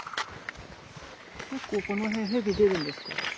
結構この辺ヘビ出るんですか？